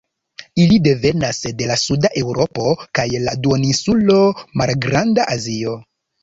Ili devenas de la suda Eŭropo kaj la duoninsulo Malgranda Azio.